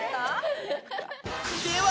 では